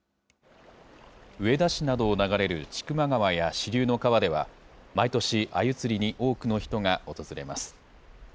上田市などを流れる千曲川や支流の川では、毎年、あゆ釣りに多くの人が訪れます。